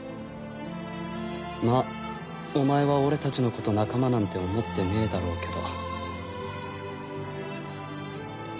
まあお前は俺たちのこと仲間なんて思ってねえだろうけど。